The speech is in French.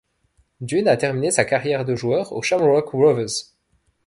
Dunne a terminé sa carrière de joueur aux Shamrock Rovers.